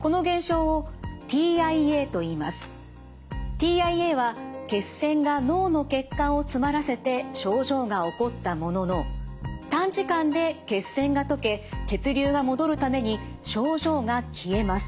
ＴＩＡは血栓が脳の血管を詰まらせて症状が起こったものの短時間で血栓が溶け血流が戻るために症状が消えます。